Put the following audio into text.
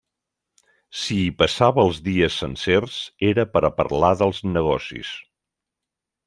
Si hi passava els dies sencers, era per a parlar dels negocis.